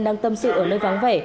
đang tâm sự ở nơi vắng vẻ